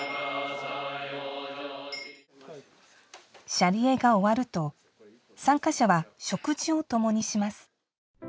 舎利会が終わると参加者は食事を共にします。